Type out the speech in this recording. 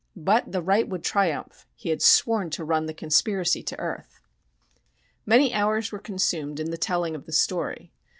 But the right would triumph! He had sworn to run the conspiracy to earth! Many hours were consumed in the telling of the story.